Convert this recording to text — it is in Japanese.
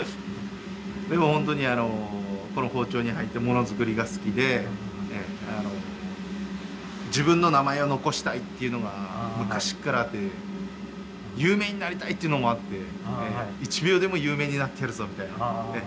でも本当にこの包丁に入ってものづくりが好きで自分の名前を残したいっていうのが昔っからあって有名になりたいっていうのもあって一秒でも有名になってやるぞみたいな。